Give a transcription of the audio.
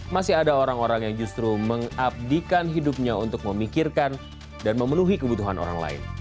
masih ada orang orang yang justru mengabdikan hidupnya untuk memikirkan dan memenuhi kebutuhan orang lain